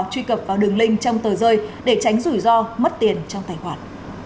truy cập vào đường link trong tờ rơi để tránh rủi ro mất tiền trong tài khoản